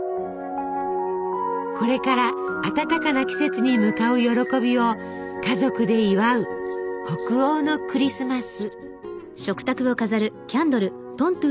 これから暖かな季節に向かう喜びを家族で祝う北欧のクリスマス。